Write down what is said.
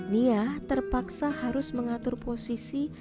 nia terpaksa harus mengatur posisi